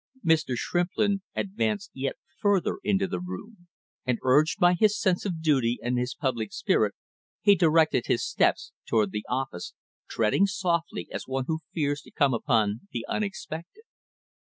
Mr. Shrimplin advanced yet farther into the room and urged by his sense of duty and his public spirit, he directed his steps toward the office, treading softly as one who fears to come upon the unexpected.